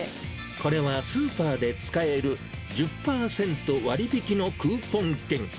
これはスーパーで使える１０％割引のクーポン券。